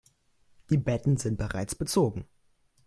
Die Betten sind bereits bezogen.